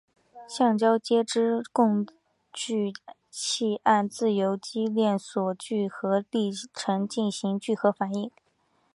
橡胶接枝共聚系按自由基链锁聚合历程进行聚合反应。